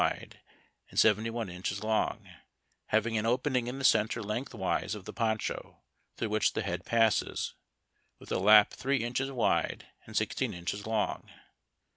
55 wide and seventy one inches long, having an opening in the centre lengthwise of the poncho, through which the head passes, with a lap three inches wide and sixteen inches long.